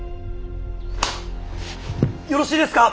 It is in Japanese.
よろしいですか。